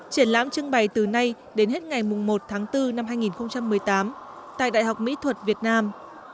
triển lãm trưng bày từ nay đến hết ngày một tháng bốn năm hai nghìn một mươi tám tại đại học mỹ thuật việt nam